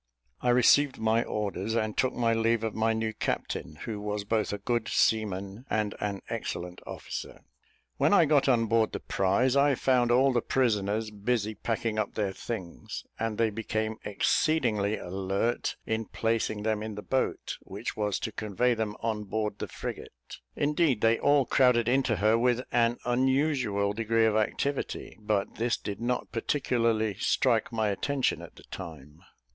I received my orders, and took my leave of my new captain, who was both a good seaman and an excellent officer. When I got on board the prize, I found all the prisoners busy packing up their things, and they became exceedingly alert in placing them in the boat which was to convey them on board the frigate. Indeed they all crowded into her with an unusual degree of activity; but this did not particularly strike my attention at the time.